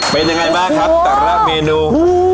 เป็นยังไงบ้างครับแต่ละเมนู